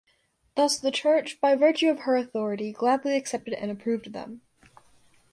Thus the Church, by virtue of her authority, gladly accepted and approved them.